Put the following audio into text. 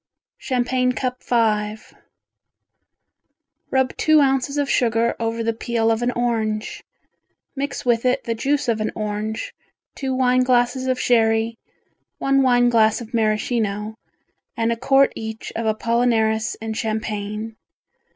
Champagne Cup V Rub two ounces of sugar over the peel of an orange. Mix with it the juice of an orange, two wine glasses of sherry, one wine glass of Maraschino, and a quart each of apollinaris and champagne.